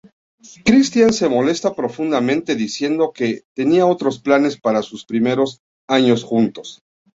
Christian se molesta profundamente, diciendo que tenía otros planes para sus primeros años juntos.